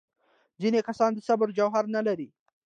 ځینې کسان د صبر جوهر نه لري.